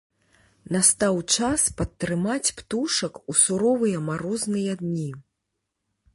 Настаў час падтрымаць птушак у суровыя марозныя дні.